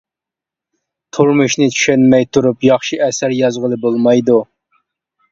تۇرمۇشنى چۈشەنمەي تۇرۇپ ياخشى ئەسەر يازغىلى بولمايدۇ.